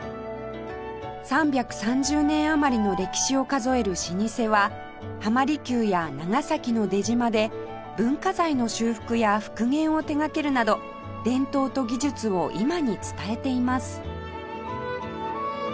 ３３０年余りの歴史を数える老舗は浜離宮や長崎の出島で文化財の修復や復元を手掛けるなど伝統と技術を今に伝えています